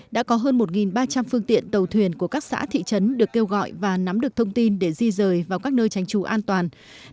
đã có hơn một ba trăm linh phương tiện tàu thuyền của các xã thị trấn được kêu gọi và nắm được thông tin để di rời vào các nơi tránh trú an toàn